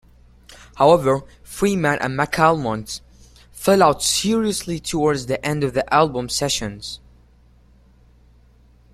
However, Freeman and McAlmont fell out seriously towards the end of the album sessions.